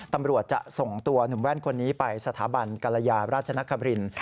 ตำรวจจะส่งตัวหนุ่มแว่นคนนี้ไปสถาบันกรยาราชนคริน